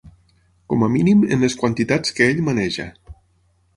Com a mínim en les quantitats que ell maneja.